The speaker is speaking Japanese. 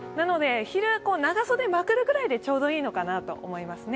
昼、長袖まくるくらいでちょうどいいかなと思います。